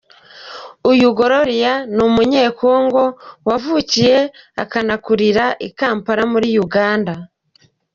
Uyu Gloria ni Umunye-Congo wavukiye akanakurira i Kampala muri Uganda.